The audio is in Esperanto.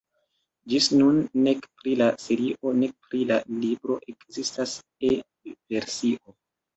Ĝis nun nek pri la serio nek pri la libro ekzistas E-versio.